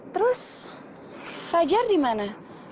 terus fajar dimana